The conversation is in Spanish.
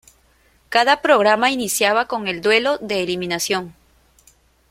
Cada programa iniciaba con el duelo de eliminación.